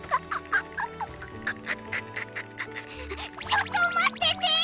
ちょっとまっててェ！